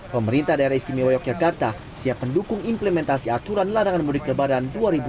pemerintah daerah istimewa yogyakarta siap mendukung implementasi aturan larangan mudik lebaran